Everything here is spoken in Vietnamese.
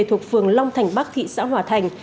thuộc phường long thành bắc thị xã hòa thành